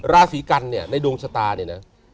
ราศีกันเนี่ยในดวงชะตาเนี่ยนะ